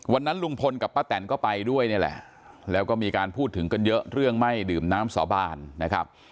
วันนั้นลุงพลกับป้าแตนก็ไปด้วยนี่แหละแล้วก็มีการพูดถึงกันเยอะเรื่องไม่ดื่มน้ำสาบานนะครับ